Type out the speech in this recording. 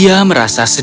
dia merasa sangat sedih